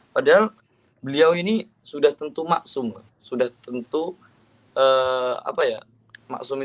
padahal beliau ini sudah tentu maksum sudah tentu apa ya maksudnya